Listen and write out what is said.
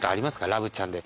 ラブちゃんで。